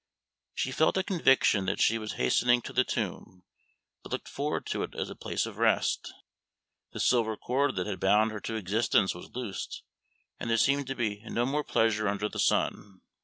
She felt a conviction that she was hastening to the tomb, but looked forward to it as a place of rest. The silver cord that had bound her to existence was loosed, and there seemed to be no more pleasure under the sun.